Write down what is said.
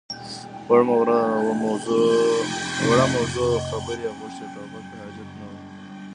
_وړه موضوع وه، خبرې يې غوښتې. ټوپک ته حاجت نه و.